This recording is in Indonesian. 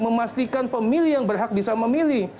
memastikan pemilih yang berhak bisa memilih